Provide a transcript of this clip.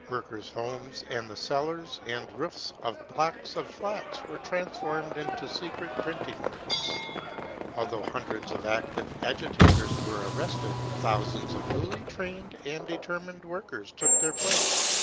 Workers' homes and the cellars and roofs of blocks of flats were transformed into secret printing works. Although hundreds of active agita tors were arrested, thousands of newly trained and deter mined workers took their place.